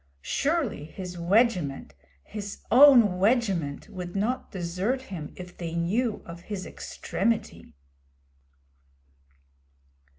Surely his 'wegiment,' his own 'wegiment,' would not desert him if they knew of his extremity.